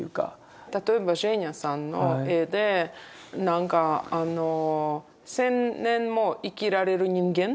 例えばジェーニャさんの絵でなんかあの１０００年も生きられる人間。